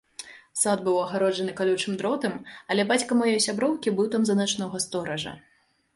Сад быў агароджаны калючым дротам, але бацька маёй сяброўкі быў там за начнога стоража.